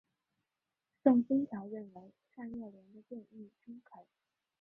宋欣桥认为蔡若莲的建议中肯。